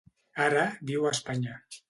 Ara, viu a Espanya.